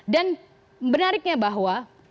dan menariknya bahwa